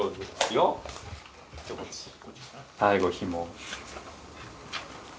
最後ひも。